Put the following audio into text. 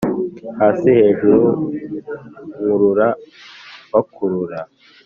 hasi hejuru nkurura bakurura